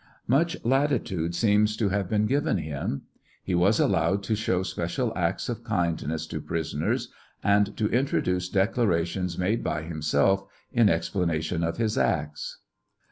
Much latitude seems to have been given him. He was allowed to show special acts of kindness to prisoners, and to introduce declarations made by himself in explanation of his acts.